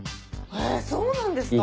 そうなんですか。